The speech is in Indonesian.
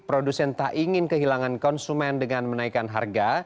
produsen tak ingin kehilangan konsumen dengan menaikkan harga